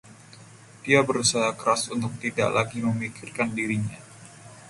Dia berusaha keras untuk tidak lagi memikirkan dirinya.